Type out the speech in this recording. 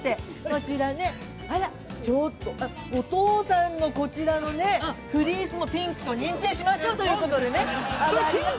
あらっ、ちょっとお父さんのこちらのね、フリースもピンクと認定しましょうということでね。